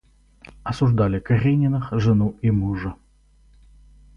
Осуждали Карениных, жену и мужа.